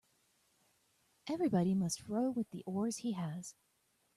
Everybody must row with the oars he has.